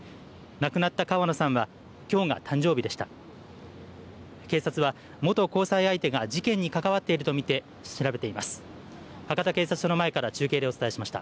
亡くなった川野さんはきょうが誕生日でした。